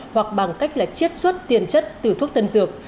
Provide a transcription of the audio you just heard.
hoặc bằng cách là chiết xuất tiền chất từ thuốc tân dược